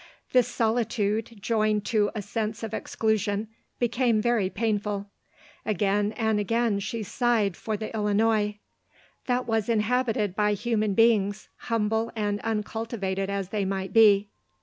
This solitude, joined to a sense of exclusion, became very painful. Again and again she sighed for the Illinois ; that was inhabited by human beings, humble and uncul tivated as they might be.